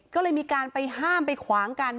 ก็เลยมีการไปห้ามไปขวางกัน